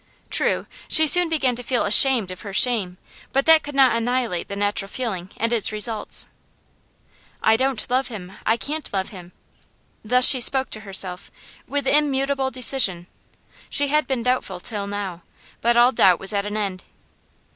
True, she soon began to feel ashamed of her shame, but that could not annihilate the natural feeling and its results. 'I don't love him. I can't love him.' Thus she spoke to herself, with immutable decision. She had been doubtful till now, but all doubt was at an end.